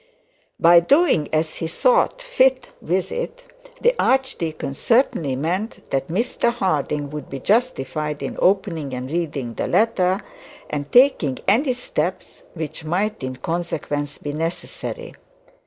By doing as he thought fit with it, the archdeacon certainly meant that Mr Harding would be justified in opening and reading the letter, and taking any steps which might in consequence be necessary.